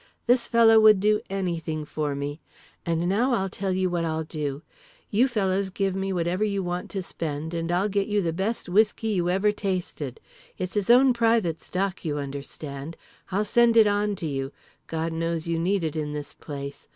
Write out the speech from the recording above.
This fellow would do anything for me. And now I'll tell you what I'll do: you fellows give me whatever you want to spend and I'll get you the best whiskey you ever tasted. It's his own private stock, you understand. I'll send it on to you—God knows you need it in this place.